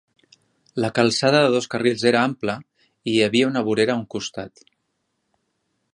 La calçada de dos carrils era ampla i hi havia una vorera a un costat.